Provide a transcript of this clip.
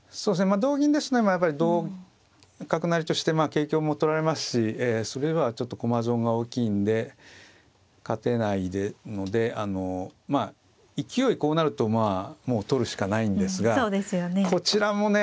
まあ同銀ですとでもやっぱり同角成として桂香も取られますしそれではちょっと駒損が大きいんで勝てないのであの勢いこうなるとまあもう取るしかないんですがこちらもね